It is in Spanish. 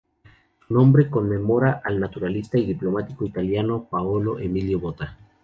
Su nombre conmemora al naturalista y diplomático italiano Paolo Emilio Botta.